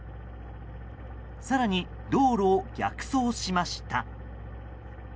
更に、道路を逆走しました。